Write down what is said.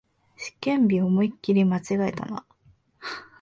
試験日、思いっきり間違えたな